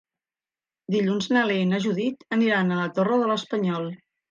Dilluns na Lea i na Judit aniran a la Torre de l'Espanyol.